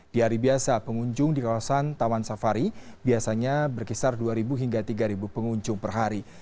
di hari biasa pengunjung di kawasan taman safari biasanya berkisar dua hingga tiga pengunjung per hari